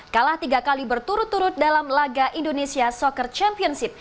kalah tiga kali berturut turut dalam laga indonesia soccer championship